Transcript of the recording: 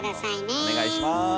お願いします。